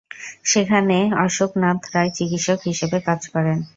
সেখানে অশোক নাথ রায় চিকিৎসক হিসেবে কাজ করেন।